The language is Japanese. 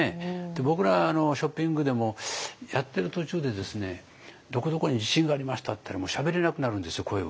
僕らショッピングでもやってる途中でどこどこに地震がありましたっていったらもうしゃべれなくなるんですよ声を。